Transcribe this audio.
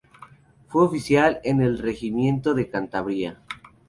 Fue oficial en el regimiento de Cantabria.